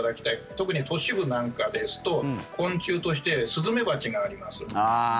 特に都市部なんかですと昆虫としてスズメバチがあります。